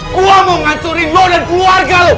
gue mau ngasurin lo dan keluarga lo